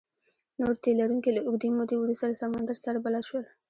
نور تي لرونکي له اوږدې مودې وروسته له سمندر سره بلد شول.